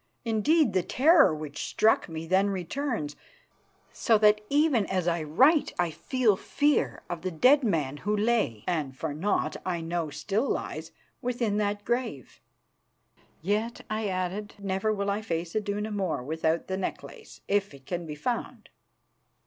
Indeed, the terror which struck me then returns, so that even as I write I feel fear of the dead man who lay, and for aught I know still lies, within that grave. "Yet," I added, "never will I face Iduna more without the necklace, if it can be found."